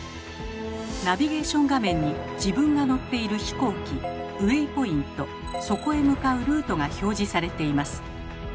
ナビゲーション画面に「自分が乗っている飛行機」「ウェイポイント」「そこへ向かうルート」が表示されています。